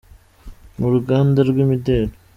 mu ruganda rw’imideli.